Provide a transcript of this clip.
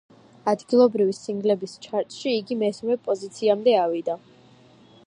ადგილობრივი სინგლების ჩარტში იგი მესამე პოზიციამდე ავიდა.